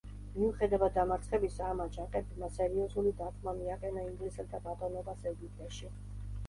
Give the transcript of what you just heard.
მიუხედავად დამარცხებისა, ამ აჯანყებებმა სერიოზული დარტყმა მიაყენა ინგლისელთა ბატონობას ეგვიპტეში.